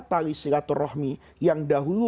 tali silaturrahim yang dahulu